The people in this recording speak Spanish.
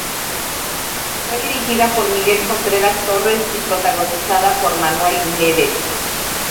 Fue dirigida por Miguel Contreras Torres y protagonizada por Manuel Medel.